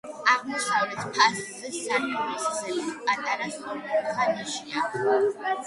აღმოსავლეთ ფასადზე, სარკმლის ზემოთ, პატარა სწორკუთხა ნიშია.